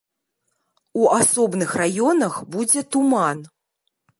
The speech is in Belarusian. У асобных раёнах будзе туман.